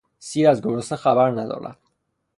سیر از گرسنه خبر ندارد.